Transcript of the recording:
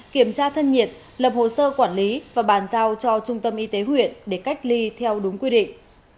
kiểm tra thân nhiệt lập hồ sơ quản lý và bàn giao cho trung tâm y tế huyện để cách ly theo đúng quy định